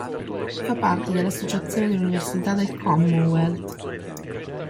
Fa parte dell'Associazione delle università del Commonwealth.